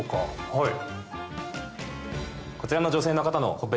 はい。